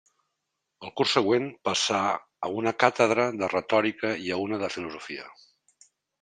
El curs següent passà a una càtedra de retòrica i a una de filosofia.